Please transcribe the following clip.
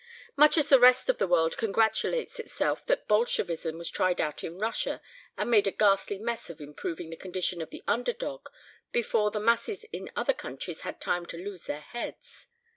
Much as the rest of the world congratulates itself that Bolshevism was tried out in Russia and made a ghastly mess of improving the condition of the underdog before the masses in other countries had time to lose their heads.